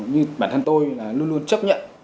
như bản thân tôi là luôn luôn chấp nhận